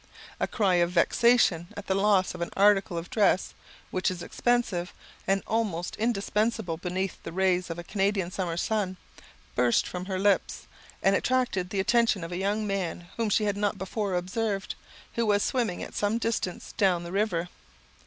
A cry of vexation at the loss of an article of dress, which is expensive, and almost indispensable beneath the rays of a Canadian summer sun, burst from her lips, and attracted the attention of a young man whom she had not before observed, who was swimming at some distance down the river.